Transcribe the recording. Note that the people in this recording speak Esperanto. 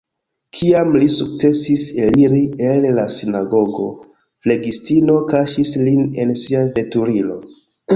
Kiam li sukcesis eliri el la sinagogo, flegistino kaŝis lin en sia veturilo.